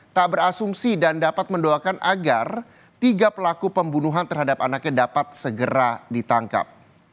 tak berasumsi dan dapat mendoakan agar tiga pelaku pembunuhan terhadap anaknya dapat segera ditangkap